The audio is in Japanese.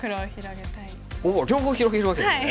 お両方広げるわけですね。